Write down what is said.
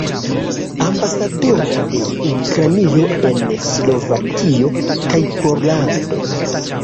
Ambasadoro de Ukrainio en Slovakio kaj Pollando.